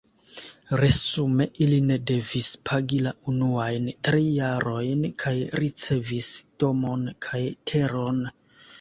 Resume ili ne devis pagi la unuajn tri jarojn kaj ricevis domon kaj teron.